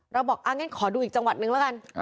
บอกอ้างั้นขอดูอีกจังหวัดนึงแล้วกัน